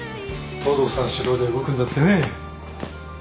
東堂さん主導で動くんだってね。